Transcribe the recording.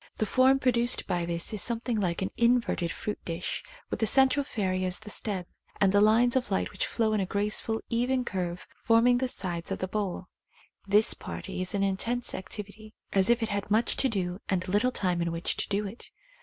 The form produced by this is something like an in verted fruit dish, with the central fairy as the stem, and the lines of light which flow in a graceful even curve forming the sides of the bowl. This party is in intense activity, as if it had much to do and little time in which to do it.